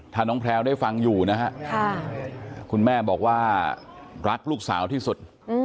ถ้าน้องแพลวได้ฟังอยู่นะฮะคุณแม่บอกว่ารักลูกสาวที่สุด